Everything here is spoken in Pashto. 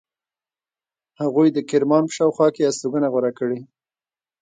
هغوی د کرمان په شاوخوا کې استوګنه غوره کړې.